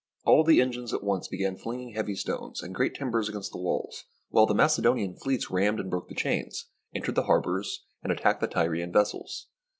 All the engines at once began flinging heavy stones and great timbers against the walls, while the Macedonian fleets rammed and broke the chains, entered the harbours, and attacked the Tyrian vessels.